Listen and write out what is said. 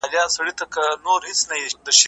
بس په پزه به